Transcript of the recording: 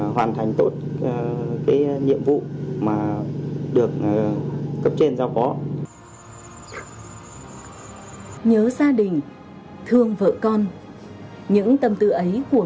hoàn thành tốt cái nhiệm vụ mà được cấp trên giao phó nhớ gia đình thương vợ con những tâm tư ấy của